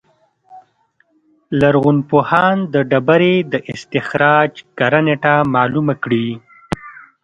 لرغونپوهان د ډبرې د استخراج کره نېټه معلومه کړي.